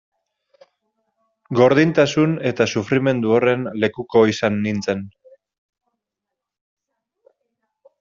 Gordintasun eta sufrimendu horren lekuko izan nintzen.